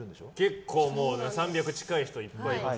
結構３００近い人はいっぱいいます。